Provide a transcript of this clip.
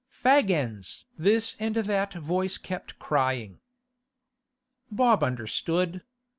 'Fag ends!' this and that voice kept crying. Bob understood.